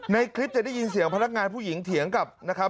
ในคลิปจะได้ยินเสียงพนักงานผู้หญิงเถียงกับนะครับ